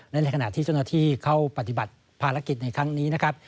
และในขณะที่เจ้าหน้าที่เข้าปฏิบัติภารกิจในครั้งนี้นะครับ